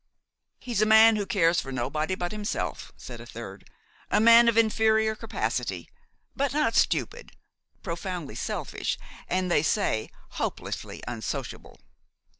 "He's a man who cares for nobody but himself," said a third; "a man of inferior capacity, but not stupid; profoundly selfish and, they say, hopelessly unsociable."